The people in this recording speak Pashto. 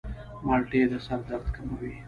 مالټې د سر درد کموي.